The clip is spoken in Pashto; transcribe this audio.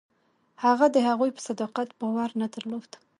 هغه د هغوی په صداقت باور نه درلود.